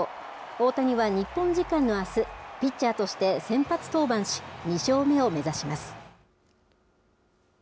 大谷は日本時間のあす、ピッチャーとして先発登板し、２勝目を目指します。